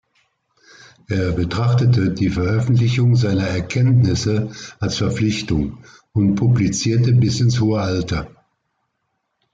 Er betrachtete die Veröffentlichung seiner Erkenntnisse als Verpflichtung und publizierte bis ins hohe Alter.